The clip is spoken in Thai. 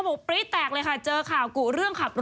ใบสองมือนะค่ะ